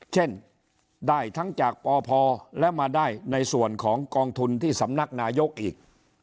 เช่นได้ทั้งจากปพและมาได้ในส่วนของกองทุนที่สำนักนายกอีก